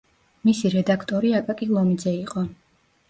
მისი რედაქტორი აკაკი ლომიძე იყო.